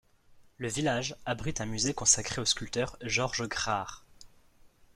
Le village abrite un musée consacré au sculpteur George Grard.